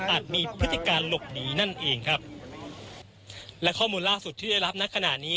มีพฤติการหลบหนีนั่นเองครับและข้อมูลล่าสุดที่ได้รับณขณะนี้